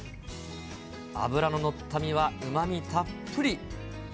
脂の乗った身はうまみたっぷり。